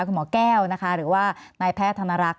คุณหมอแก้วนะคะหรือว่านายแพทย์ธนรักษ